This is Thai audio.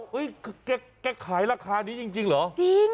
เฮ้ยแกแกขายราคานี้จริงจริงเหรอจริง